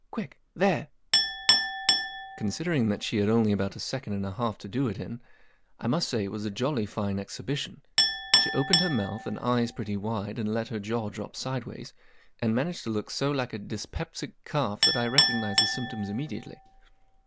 Quick, There ! 11 Considering that she had only about a second and a half to do it in, I must say it was a jolly fine exhibition* She opened her mouth and eyes pretty wide and let her jaw drop sideways, and managed to look so like a dyspeptic calf that I recognized the symptoms immediately.